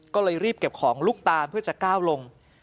ก็เลยรีบเก็บของลูกตานเพื่อจะก้าวลง